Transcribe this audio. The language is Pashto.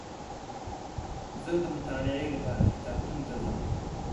زه دمطالعې لپاره کتابتون ته ځم